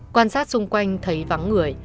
quan sát xung quanh thấy vắng người